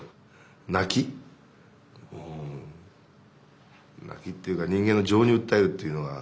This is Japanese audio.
泣きっていうか人間の情に訴えるっていうのが。